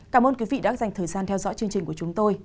cảm ơn quý vị đã dành thời gian theo dõi chương trình của chúng tôi